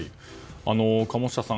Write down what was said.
鴨下さん。